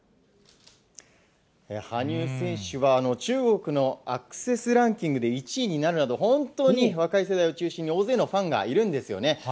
羽生選手は、中国のアクセスランキングで１位になるなど、本当に若い世代を中心に大勢のファンがいるんですよね。